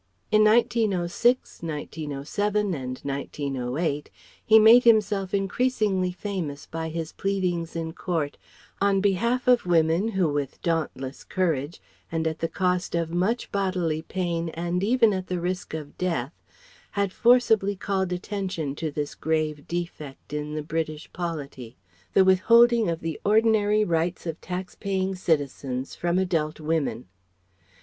In 1906, 1907 and 1908 he made himself increasingly famous by his pleadings in court on behalf of women who with dauntless courage and at the cost of much bodily pain and even at the risk of death had forcibly called attention to this grave defect in the British polity, the withholding of the ordinary rights of tax paying citizens from adult women.